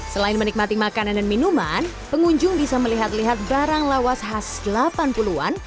selain menikmati makanan dan minuman pengunjung bisa melihat lihat barang lawas khas delapan puluh an